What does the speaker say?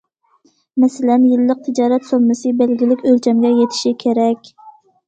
مەسىلەن، يىللىق تىجارەت سوممىسى بەلگىلىك ئۆلچەمگە يېتىشى كېرەك.